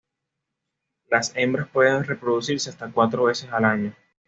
Las hembras pueden reproducirse hasta cuatro veces al año.